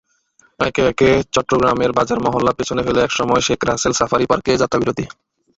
একে একে চট্টগ্রামের বাজার-মহল্লা পেছনে ফেলে একসময় শেখ রাসেল সাফারি পার্কে যাত্রাবিরতি।